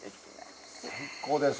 最高です。